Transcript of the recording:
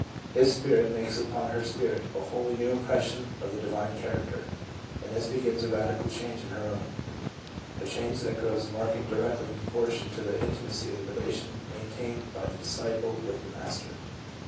... His Spirit makes upon her spirit a wholly new impression of the divine character, and this begins a radical change in her own, a change that grows marked directly in proportion to the intimacy of the relation maintained by the disciple with the Master.